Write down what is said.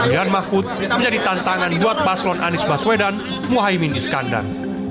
dan mahfud menjadi tantangan buat baslon anies baswedan muhaimin iskandar